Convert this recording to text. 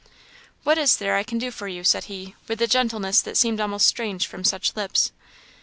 "What is there I can do for you?" said he, with a gentleness that seemed almost strange from such lips.